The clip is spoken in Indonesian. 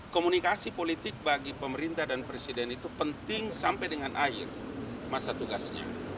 komunikasi politik bagi pemerintah dan presiden itu penting sampai dengan akhir masa tugasnya